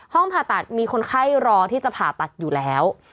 ผ่าตัดมีคนไข้รอที่จะผ่าตัดอยู่แล้ว